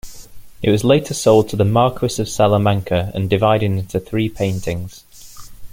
It was later sold to the Marquis of Salamanca, and divided into three paintings.